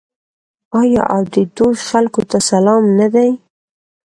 آیا او د دوی خلکو ته سلام نه دی؟